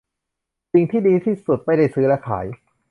สิ่งที่ดีที่สุดไม่ได้ซื้อและขาย